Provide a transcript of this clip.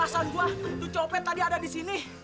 perasaan gue tuh copet tadi ada di sini